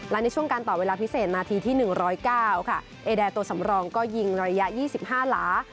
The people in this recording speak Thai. และในช่วงการต่อเวลาพิเศษนาทีที่๑๐๙ค่ะเอแอร์ตัวสำรองก็ยิงระยะ๒๕หลา